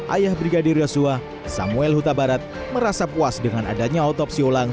ayah brigadir yosua samuel huta barat merasa puas dengan adanya otopsi ulang